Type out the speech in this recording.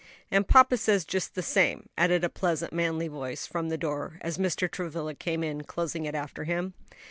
"And papa says just the same," added a pleasant, manly voice from the door, as Mr. Travilla came in, closing it after him.